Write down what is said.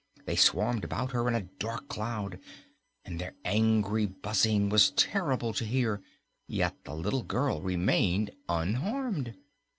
They swarmed about her in a dark cloud, and their angry buzzing was terrible to hear, yet the little girl remained unharmed.